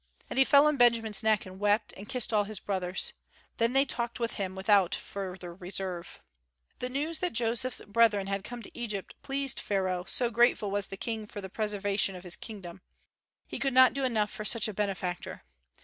And he fell on Benjamin's neck and wept, and kissed all his brothers. They then talked with him without further reserve. The news that Joseph's brethren had come to Egypt pleased Pharaoh, so grateful was the King for the preservation of his kingdom. He could not do enough for such a benefactor.